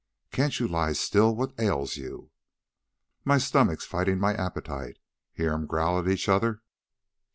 "Can't you lie still? What ails you?" "My stomach's fighting my appetite. Hear 'em growl at each other?"